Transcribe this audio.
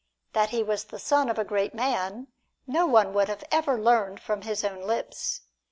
That he was the son of a great man, no one would have ever learned from his own lips.